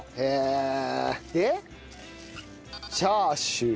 チャーシュー。